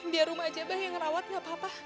biar rum aja yang ngerawat gak apa apa